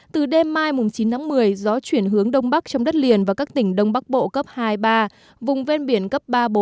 từ đêm mai chín tháng một mươi gió chuyển hướng đông bắc trong đất liền và các tỉnh đông bắc bộ cấp hai ba vùng ven biển cấp ba bốn